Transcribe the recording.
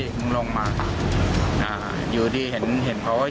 มีประวัติศาสตร์ที่สุดในประวัติศาสตร์